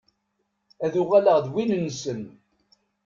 Ad uɣaleɣ d yiwen-nnsen.